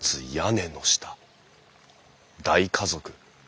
大家族？